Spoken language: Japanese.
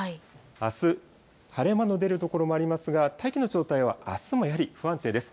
あす、晴れ間の出る所もありますが、大気の状態はあすもやはり不安定です。